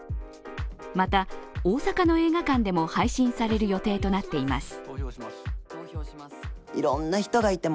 また、大阪の映画館でも配信される予定となっています。